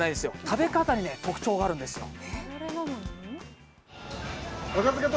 食べ方に特徴があるんですよ。